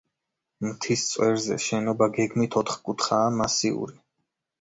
მთის წვერზე, შენობა გეგმით ოთხკუთხაა, მასიური.